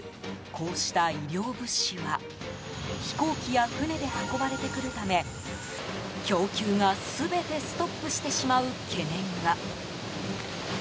こうした医療物資は飛行機や船で運ばれてくるため供給が全てストップしてしまう懸念が。